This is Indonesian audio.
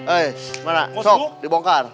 eh gimana sok dibongkar